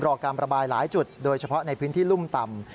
การประบายหลายจุดโดยเฉพาะในพื้นที่รุ่มต่ำ